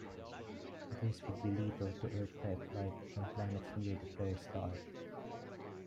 This would be lethal to Earth-type life on planets near the flare star.